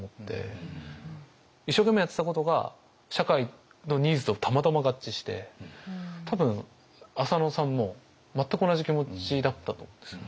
一生懸命やってたことが社会のニーズとたまたま合致して多分浅野さんも全く同じ気持ちだったと思うんですよね。